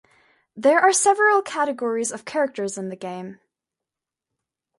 There are several categories of characters in the game.